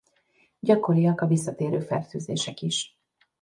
Gyakoriak a visszatérő fertőzések is.